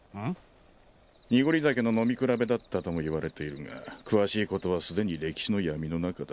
濁り酒の飲み比べだったともいわれているが詳しいことはすでに歴史の闇の中だ。